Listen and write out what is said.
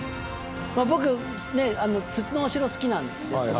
僕ね土のお城好きなんですけど。